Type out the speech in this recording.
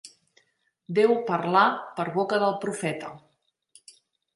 Déu parlà per boca del profeta.